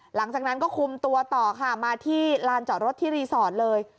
หลังจากนั้นก็คุมตัวต่อค่ะมาที่ลานจอดรถที่รีสอร์ทเลย